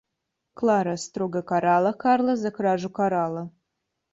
Клара строго карала Карла за кражу коралла.